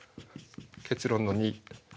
結論の２。